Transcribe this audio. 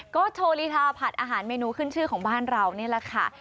ก็โชว์ลีทาผัดอาหารเมนูขึ้นชื่อของบ้านเรานี่แหละค่ะ